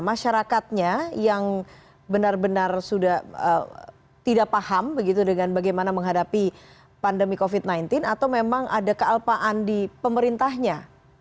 masyarakatnya yang benar benar sudah tidak paham begitu dengan bagaimana menghadapi pandemi covid sembilan belas atau memang ada kealpaan di pemerintahnya